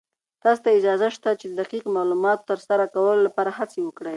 تاسې ته اجازه شته چې د دقيق معلوماتو تر سره کولو لپاره هڅې وکړئ.